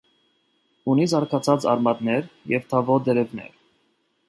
Ունի զարգացած արմատներ և թավոտ տերևներ։